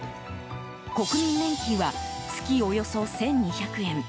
国民年金は月およそ１２００円